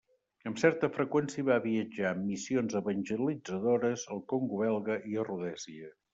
Amb certa freqüència va viatjar en missions evangelitzadores al Congo Belga i a Rhodèsia.